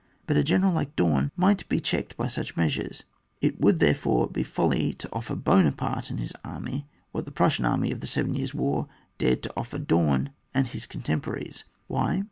But a general Uke Daim might be checked by such measures; it would therefore be folly to offer Buonaparte and his army what the Prussian army of the Seven Years' War dared to offer Daun and his contemporaries. Why?